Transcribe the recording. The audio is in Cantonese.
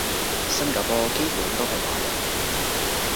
新加坡基本都係華人